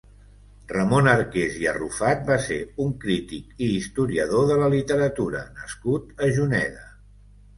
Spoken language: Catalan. Ramon Arqués i Arrufat va ser un «Crític i historiador de la literatura» nascut a Juneda.